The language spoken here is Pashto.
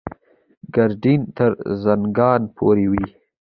ګډین تر زنګانه پورې وي.